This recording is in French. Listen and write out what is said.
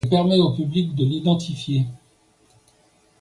Elle permet au public de l’identifier.